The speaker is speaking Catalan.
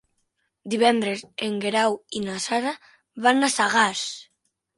Divendres en Guerau i na Sara van a Sagàs.